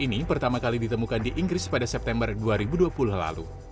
ini pertama kali ditemukan di inggris pada september dua ribu dua puluh lalu